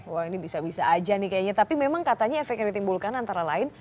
wah ini bisa bisa aja nih kayaknya tapi memang katanya efek yang ditimbulkan antara lain